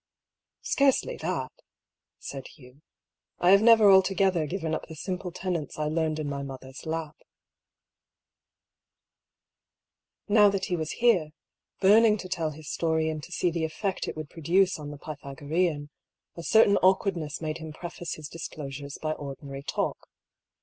"Scarcely that," said Hugh. "I have never alto gether given up the simple tenets I learned in my mother's lap.'' A QUESTIONABLE DOCTRINE. 243 Now that he was here, hurning to tell his story and to see the effect it would produce on the Pythagorean, a certain awkwardness made him preface his disclosures by ordinary talk.